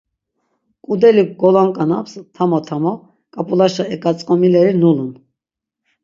Ǩudeli golonǩanaps, tamo tamo, ǩap̌ulaşa eǩatzǩomileri nulun.